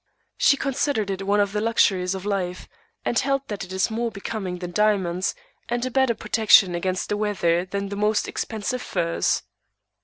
She considered it one of the luxuries of life, and held that it is more becoming than diamonds and a better protection against the weather than the most expensive furs.